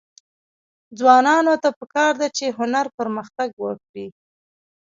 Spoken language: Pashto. ځوانانو ته پکار ده چې، هنر پرمختګ ورکړي.